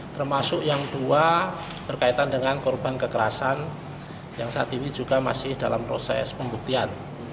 termasuk yang dua berkaitan dengan korban kekerasan yang saat ini juga masih dalam proses pembuktian